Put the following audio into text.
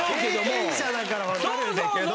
経験者だからわかるんだけど。